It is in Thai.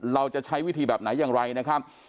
เราจะใช้วิธีแบบไหนอย่างไรนะครับ